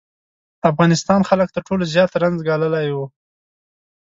افغانستان خلک تر ټولو زیات رنځ یې ګاللی و.